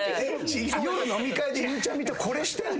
夜飲み会でゆうちゃみとこれしてんの？